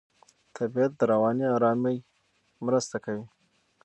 طبیعت د رواني آرامۍ مرسته کوي.